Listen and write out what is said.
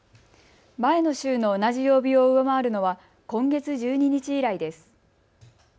前の週の同じ曜日を上回るのは今月１２日以来です。